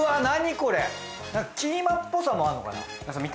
なんかキーマっぽさもあるのかな。